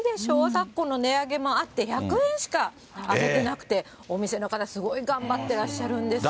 昨今の値上げもあって、１００円しか上がってなくて、お店の方、すごい頑張ってらっしゃってるんですよ。